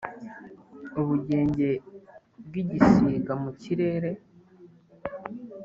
ubugenge bw’igisiga mu kirere,